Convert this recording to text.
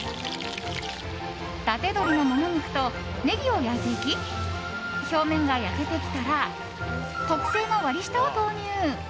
伊達鶏のモモ肉とネギを焼いていき表面が焼けてきたら特製の割り下を投入。